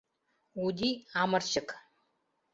Уди — амырчык.